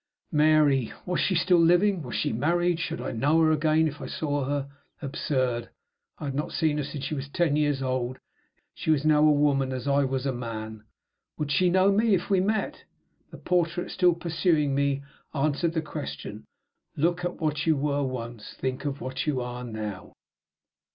Mary! Was she still living? Was she married? Should I know her again if I saw her? Absurd! I had not seen her since she was ten years old: she was now a woman, as I was a man. Would she know me if we met? The portrait, still pursuing me, answered the question: "Look at what you were once; think of what you are now!"